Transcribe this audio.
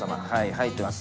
入ってます。